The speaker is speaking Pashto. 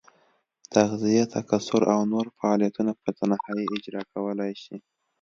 تغذیه، تکثر او نور فعالیتونه په تنهایي اجرا کولای شي.